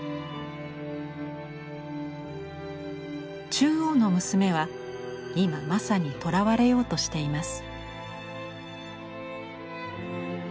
中央の娘は今まさに捕らわれようとしています。